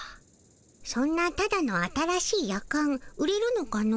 そんなただの新しいヤカン売れるのかの？